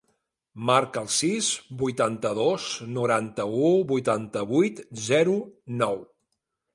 Marca el sis, vuitanta-dos, noranta-u, vuitanta-vuit, zero, nou.